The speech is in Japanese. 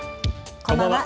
こんばんは。